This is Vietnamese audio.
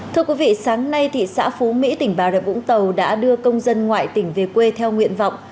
thưa quý vị sáng nay thị xã phú mỹ tỉnh bà rập vũng tàu đã đưa công dân ngoại tỉnh về quê theo nguyện vọng